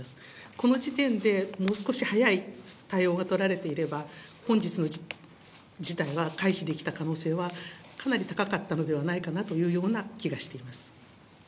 この時点で、もう少し早い対応が取られていれば、本日の事態は回避できた可能性は、かなり高かったのではないかなというような気がしています。